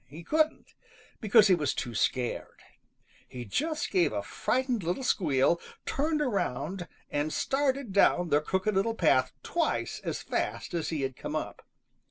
He couldn't, because he was too scared. He just gave a frightened little squeal, turned around, and started down the Crooked Little Path twice as fast as he had come up.